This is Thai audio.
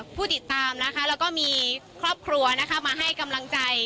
ผู้ติดตามนะคะแล้วก็มีครอบครัวนะคะมาให้กำลังใจ